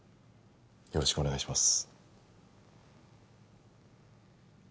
よろしくお願いします